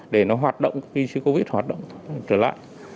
để nó hoạt động bc covid hoạt động trở lại